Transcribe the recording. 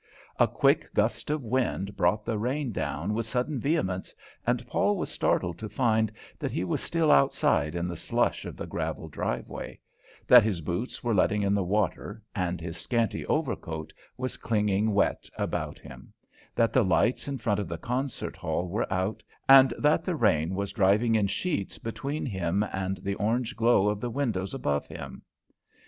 A quick gust of wind brought the rain down with sudden vehemence, and Paul was startled to find that he was still outside in the slush of the gravel driveway; that his boots were letting in the water and his scanty overcoat was clinging wet about him; that the lights in front of the concert hall were out, and that the rain was driving in sheets between him and the orange glow of the windows above him.